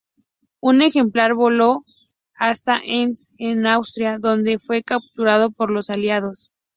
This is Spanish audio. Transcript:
Un ejemplar voló hasta Enns, en Austria, donde fue capturado por los aliados.